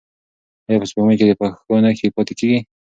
ایا په سپوږمۍ کې د پښو نښې پاتې کیږي؟